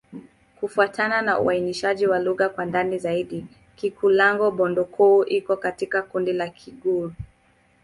Kufuatana na uainishaji wa lugha kwa ndani zaidi, Kikulango-Bondoukou iko katika kundi la Kigur.